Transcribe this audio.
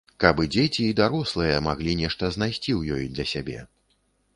Каб і дзеці і дарослыя маглі нешта знайсці ў ёй для сябе.